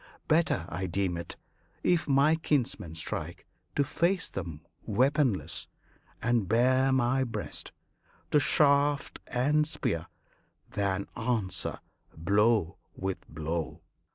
Better I deem it, if my kinsmen strike, To face them weaponless, and bare my breast To shaft and spear, than answer blow with blow.